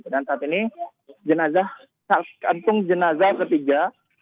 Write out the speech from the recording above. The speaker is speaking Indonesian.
dan saat ini jenazah kantung jenazah ketiga